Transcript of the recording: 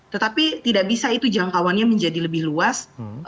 tetapi tidak bisa itu jangkauannya menjadi lebih luas